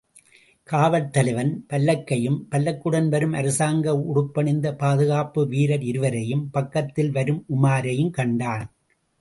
காவல் தலைவன், பல்லக்கையும், பல்லக்குடன் வரும் அரசாங்க உடுப்பணிந்த பாதுகாப்பு வீரர் இருவரையும், பக்கத்திலே வரும் உமாரையும் கண்டான்.